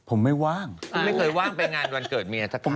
ผมไม่ว่างไม่เคยว่างไปงานวันเกิดเมียสักครั้ง